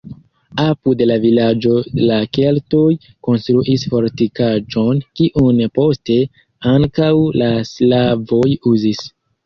Apud la vilaĝo la keltoj konstruis fortikaĵon, kiun poste ankaŭ la slavoj uzis.